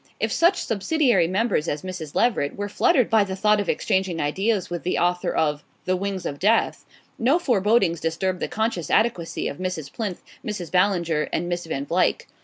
If such subsidiary members as Mrs. Leveret were fluttered by the thought of exchanging ideas with the author of "The Wings of Death," no forebodings disturbed the conscious adequacy of Mrs. Plinth, Mrs. Ballinger and Miss Van Vluyck.